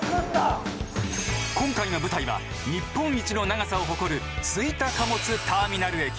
今回の舞台は日本一の長さを誇る吹田貨物ターミナル駅。